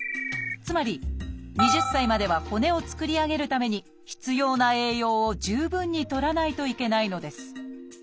つまり２０歳までは骨を作り上げるために必要な栄養を十分にとらないといけないのです。